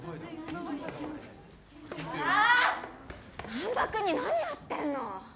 難破君に何やってんの！？